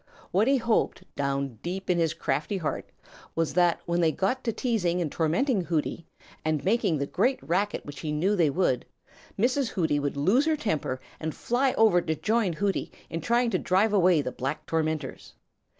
What he hoped down deep in his crafty heart was that when they got to teasing and tormenting Hooty and making the great racket which he knew they would, Mrs. Hooty would lose her temper and fly over to join Hooty in trying to drive away the black tormentors.